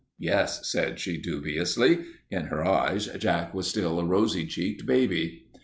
"Yes," said she, dubiously. In her eyes Jack was still a rosy cheeked baby.